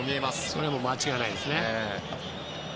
それは間違いないです。